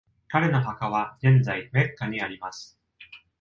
彼の墓は現在メッカにあります。